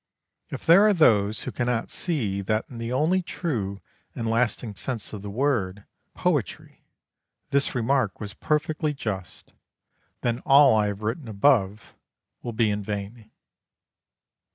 If there are those who cannot see that in the only true and lasting sense of the word poetry, this remark was perfectly just, then all I have written above will be in vain.